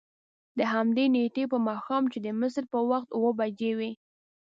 د همدې نېټې په ماښام چې د مصر په وخت اوه بجې وې.